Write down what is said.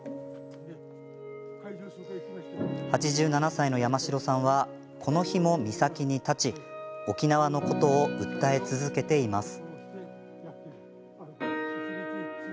８７歳の山城さんはこの日も岬に立ち沖縄のことを訴え続けています。